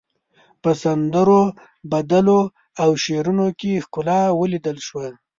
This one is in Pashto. په سندرو، بدلو او شعرونو کې ښکلا وليدل شوه.